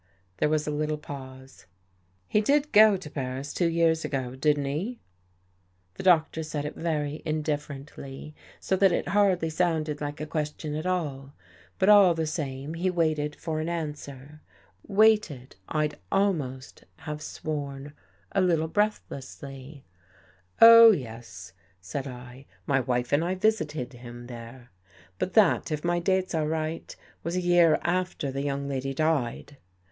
There was a little pause. " He did go to Paris two years ago, didn't he? " The Doctor said it very indifferently, so that it hardly sounded like a question at all. But, all the same, he waited for an answer — waited. I'd almost have sworn, a little breathlessly. 6o THE JADE EARRING " Oh, yes," said L " My wife and I visited him there. But that, if my dates are right, was a year after the young lady died."